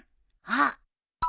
あっ！